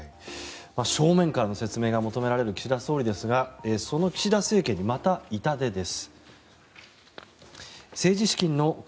正面からの説明が求められる岸田総理ですがその岸田政権にまた痛手です。